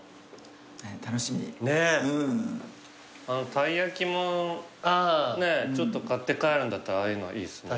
あのたい焼きもねっちょっと買って帰るんだったらああいうのいいですね。